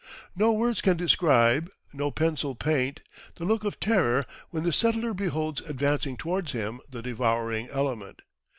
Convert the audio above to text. No words can describe, no pencil paint, the look of terror when the settler beholds advancing towards him the devouring element.